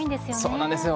そうなんですよ。